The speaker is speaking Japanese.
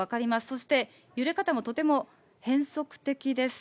そして揺れ方もとても変則的です。